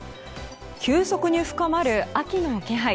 急速に深まる秋の気配。